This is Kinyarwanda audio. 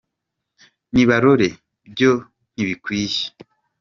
Nibarorere byo ntibikwiye